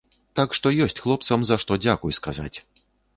Так што ёсць хлопцам, за што дзякуй сказаць.